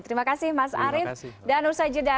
terima kasih mas arief dan ustaz jeddah